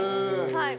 はい。